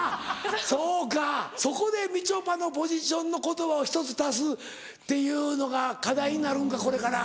そうかそこでみちょぱのポジションの言葉を１つ足すっていうのが課題になるんかこれから。